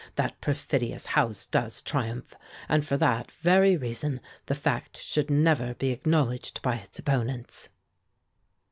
That perfidious House does triumph, and for that very reason the fact should never be acknowledged by its opponents."